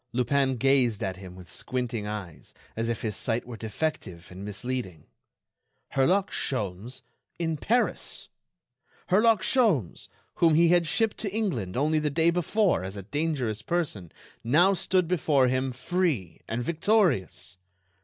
Lupin gazed at him with squinting eyes as if his sight were defective and misleading. Herlock Sholmes in Paris! Herlock Sholmes, whom he had shipped to England only the day before as a dangerous person, now stood before him free and victorious!...